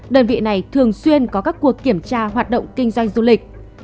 đơn vị này thường xuyên có các cuộc kiểm tra hoạt động kinh doanh du lịch